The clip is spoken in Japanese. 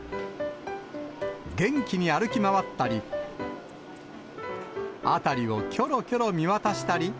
元気に歩き回ったり、辺りをきょろきょろ見渡したり。